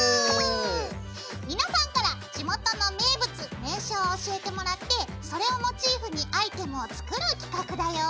皆さんから地元の名物名所を教えてもらってそれをモチーフにアイテムを作る企画だよ！